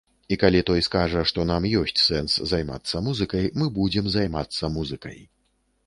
І калі той скажа, што нам ёсць сэнс займацца музыкай, мы будзем займацца музыкай.